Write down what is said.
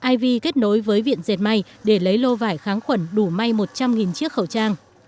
iv kết nối với viện dệt mây để lấy lô vải kháng khuẩn đủ may một trăm linh chiếc khẩu trang